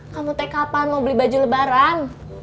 kamu teh kapan mau beli baju lebaran